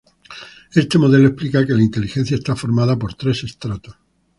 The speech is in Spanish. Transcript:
Este modelo explica que la inteligencia está formada por tres estratos.